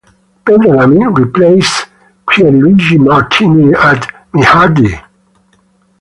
Pedro Lamy replaced Pierluigi Martini at Minardi.